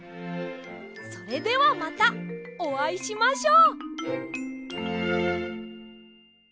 それではまたおあいしましょう！